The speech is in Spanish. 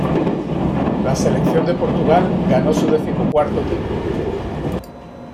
La selección de Portugal ganó su decimocuarto título.